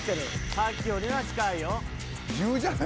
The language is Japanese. さっきより近いよ。